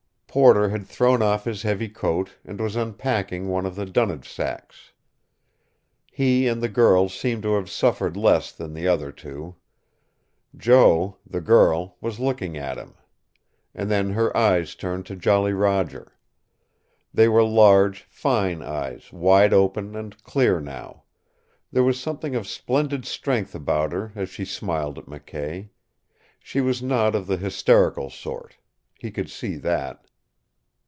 Porter had thrown off his heavy coat, and was unpacking one of the dunnage sacks. He and the girl seemed to have suffered less than the other two. Jo, the girl, was looking at him. And then her eyes turned to Jolly Roger. They were large, fine eyes, wide open and clear now. There was something of splendid strength about her as she smiled at McKay. She was not of the hysterical sort. He could see that.